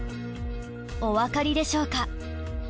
おわかりでしょうか？